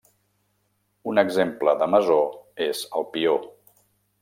Un exemple de mesó és el pió.